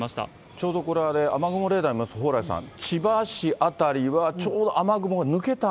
ちょうどこれ、雨雲レーダー見ますと、蓬莱さん、千葉市辺りはちょうど雨雲が抜けた？